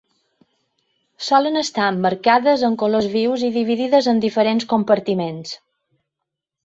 Solen estar emmarcades en colors vius i dividides en diferents compartiments.